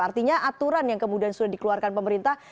artinya aturan yang kemudian sudah dikeluarkan pemerintah